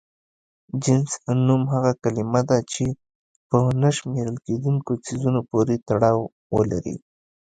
جنس نوم هغه کلمه ده چې په نه شمېرل کيدونکو څيزونو پورې تړاو ولري.